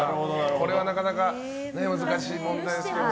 これはなかなか難しい問題です。